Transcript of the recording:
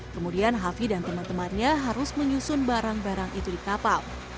kemudian hafi dan teman temannya harus menyusun barang barang itu di kapal